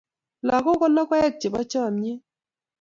lagok ko logoek chebo chamiet